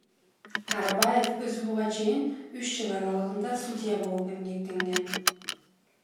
Арабаев өзү буга чейин үч жыл аралыгында судья болуп эмгектенген.